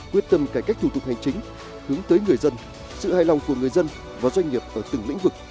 quyết tâm cải cách thủ tục hành chính hướng tới người dân sự hài lòng của người dân và doanh nghiệp ở từng lĩnh vực